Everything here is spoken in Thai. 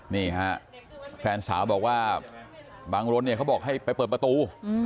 นี่ฮะแฟนสาวบอกว่าบางรถเนี่ยเขาบอกให้ไปเปิดประตู